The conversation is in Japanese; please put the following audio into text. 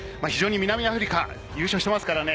南アフリカ、優勝してますからね。